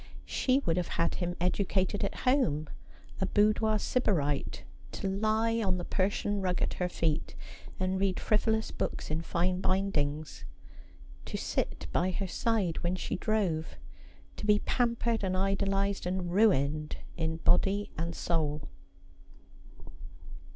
She would have had him educated at home, a boudoir sybarite, to lie on the Persian rug at her feet and read frivolous books in fine bindings ; to sit by her side when she drove ; to be pampered and idolised and ruined in body and soul.